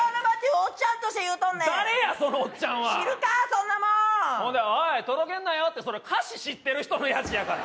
ほんで「おい届けんなよ！」ってそれ歌詞知ってる人の野次やから！